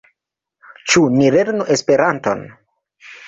Ĉu ni lernu Esperanton?